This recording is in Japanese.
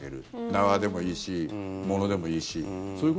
縄でもいいし、物でもいいし。